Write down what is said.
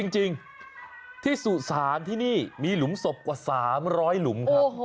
จริงที่สุสานที่นี่มีหลุมศพกว่า๓๐๐หลุมครับ